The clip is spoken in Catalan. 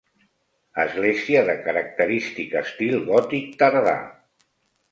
Església de característic estil gòtic tardà.